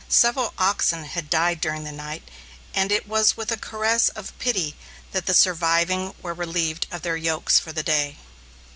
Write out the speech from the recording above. Several oxen had died during the night, and it was with a caress of pity that the surviving were relieved of their yokes for the day.